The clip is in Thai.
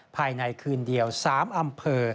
ภายในคืนเดียว๓อำเภอ